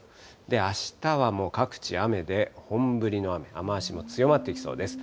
あしたはもう各地雨で、本降りの雨、雨足も強まってきそうです。